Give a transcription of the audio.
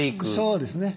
そうですね。